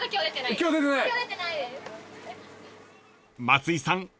［松井さん